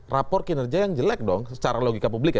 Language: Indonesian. rapor kinerja yang jelek dong secara logika publik ya